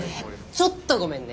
ちょっとごめんね。